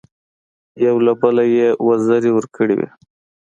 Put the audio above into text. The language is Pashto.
یو له بله یې وزرې ورکړې وې.